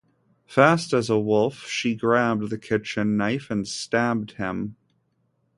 Fast as a wolf, she grabbed the kitchen knife and stabbed him